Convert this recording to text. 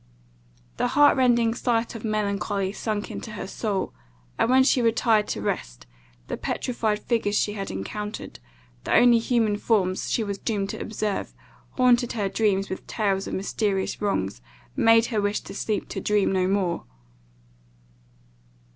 The heart rending sigh of melancholy sunk into her soul; and when she retired to rest, the petrified figures she had encountered, the only human forms she was doomed to observe, haunting her dreams with tales of mysterious wrongs, made her wish to sleep to dream no more.